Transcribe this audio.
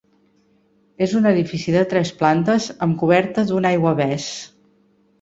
És un edifici de tres plantes amb coberta d'un aiguavés.